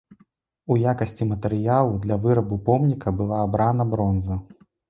У якасці матэрыялу для вырабу помніка была абрана бронза.